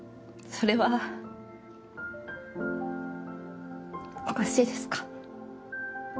それはおかしいですか？